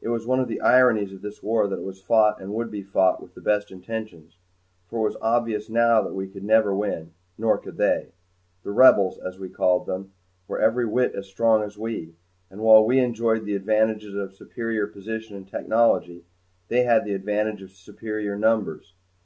It was one of the ironies of this war that it was fought and would be fought with the best of intentions. For it was obvious now that we could never win nor could they. The Rebels, as we called them, were every whit as strong as we, and while we enjoyed the advantages of superior position and technology they had the advantage of superior numbers.